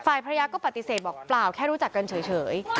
ภรรยาก็ปฏิเสธบอกเปล่าแค่รู้จักกันเฉย